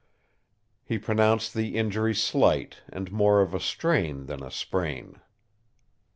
He pronounced the injury slight and more of a strain than a sprain.